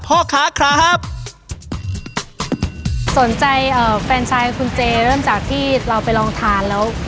พ่อค้าครับสนใจเอ่อแฟนชายคุณเจเริ่มจากที่เราไปลองทานแล้ว